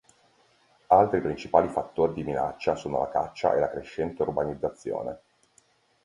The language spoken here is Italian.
Altri principali fattori di minaccia sono la caccia e la crescente urbanizzazione.